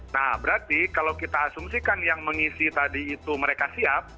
nah berarti kalau kita asumsikan yang mengisi tadi itu mereka siap